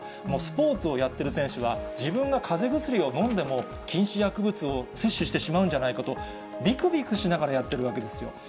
もうスポーツをやってる選手は、自分がかぜ薬を飲んでも、禁止薬物を摂取してしまうんじゃないかと、びくびくしながらやってるわけですよ。